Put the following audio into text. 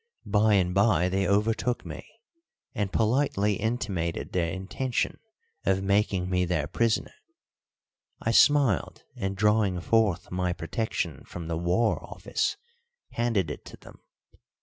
By and by they overtook me, and politely intimated their intention of making me their prisoner. I smiled, and, drawing forth my protection from the War Office, handed it to them.